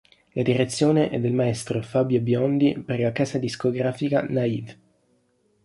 La direzione è del maestro Fabio Biondi per la casa discografica Naïve.